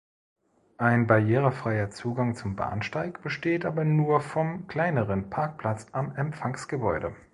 Ein barrierefreier Zugang zum Bahnsteig besteht aber nur vom kleineren Parkplatz am Empfangsgebäude.